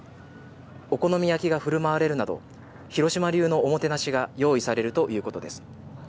お好み焼きが振る舞われるなど、広島流のおもてなしが用意されるということです。